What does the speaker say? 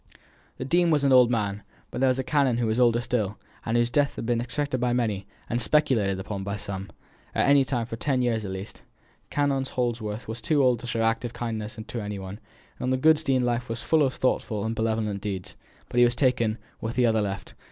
The dean was an old man, but there was a canon who was older still, and whose death had been expected by many, and speculated upon by some, any time for ten years at least. Canon Holdsworth was too old to show active kindness to any one; the good dean's life was full of thoughtful and benevolent deeds. But he was taken, and the other left.